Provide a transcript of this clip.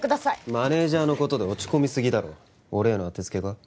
マネージャーのことで落ち込みすぎだろ俺への当てつけか？